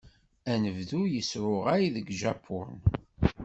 Anebdu yesruɣay deg Japun.